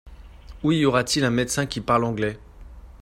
Où y aurait-il un médecin qui parle anglais ?